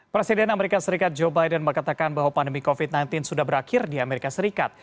presiden amerika serikat joe biden mengatakan bahwa pandemi covid sembilan belas sudah berakhir di amerika serikat